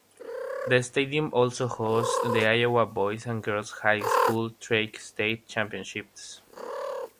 The stadium also hosts the Iowa boys and girls high school track state championships.